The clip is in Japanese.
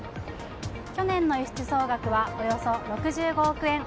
去年の輸出総額はおよそ６５億円。